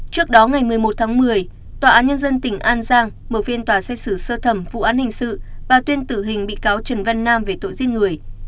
trước đó ngày một mươi một tháng một mươi tòa án nhân dân tỉnh an giang mở phiên tòa xét xử sơ thẩm vụ án hình sự bà tuyên tử hình bị cáo trần văn nam về tội giết người